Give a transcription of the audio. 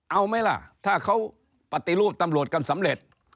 เอาไหมล่ะถ้าเขาปฏิรูปตำรวจกันสำเร็จ